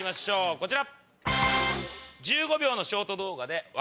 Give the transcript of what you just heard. こちら。